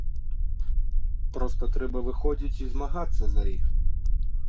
Проста трэба выходзіць і змагацца за іх.